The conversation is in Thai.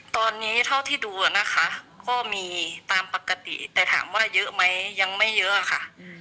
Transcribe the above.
ตอนนี้เท่าที่ดูนะคะก็มีตามปกติแต่ถามว่าเยอะไหมยังไม่เยอะค่ะ